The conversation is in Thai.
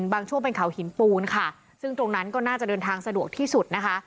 ช่วงเป็นเขาหินปูนค่ะซึ่งตรงนั้นก็น่าจะเดินทางสะดวกที่สุดนะคะ